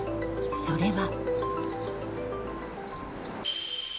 それは。